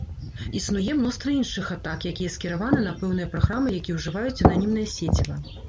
Існуе мноства іншых атак, якія скіраваны на пэўныя праграмы, якія ўжываюць ананімнае сеціва.